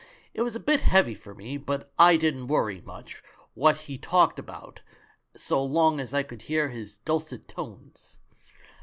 It was a bit heavy for me, but I didn't worry much what he talked about so long as I could hear his dulcet tones.